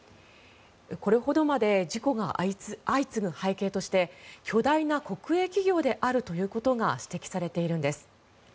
これほどまで事故が相次ぐ背景として巨大な国営企業であるということが指摘されているんです。